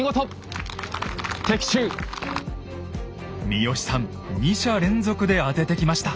三好さん２射連続で当ててきました。